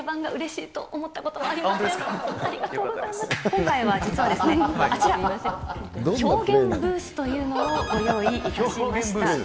今回は実は、あちら、表現ブースというのをご用意いたしました。